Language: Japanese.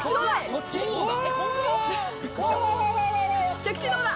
着地どうだ？